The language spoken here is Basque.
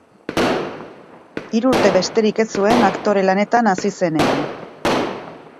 Hiru urte besterik ez zuen aktore lanetan hasi zenean.